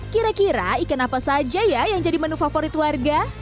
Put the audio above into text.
kira kira ikan apa saja ya yang jadi menu favorit warga